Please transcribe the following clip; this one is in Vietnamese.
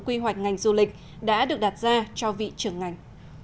quy hoạch ngành du lịch đã được đặt ra cho vị trưởng ngành